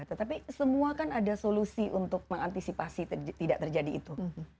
tetapi semua kan ada solusi untuk mengantisipasi tidak terjadi itu